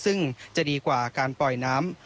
ซึ่งจะดีกว่าการปล่อยน้ำ